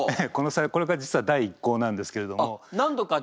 これが実は第一稿なんですけれども。